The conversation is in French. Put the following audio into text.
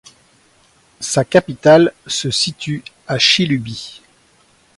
Sa capitale se situe à Chilubi.